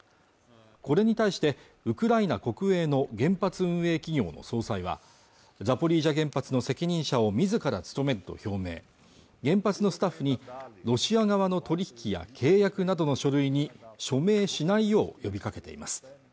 これに対してウクライナ国営の原発運営企業の総裁はザポリージャ原発の責任者を自ら務めると表明原発のスタッフにロシア側の取引や契約などの書類に署名しないよう呼びかけています